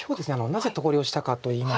なぜ投了したかといいますと。